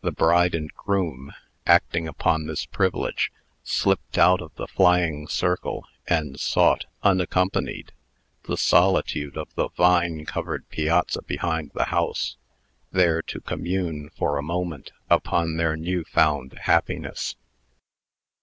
The bride and groom, acting upon this privilege, slipped out of the flying circle, and sought, unaccompanied, the solitude of the vine covered piazza behind the house, there to commune for a moment upon their new found happiness.